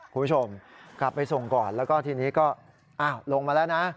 คุณผู้ชมกลับไปส่งก่อนแล้วก็ทีนี้ก็อ้าวลงมาแล้วนะ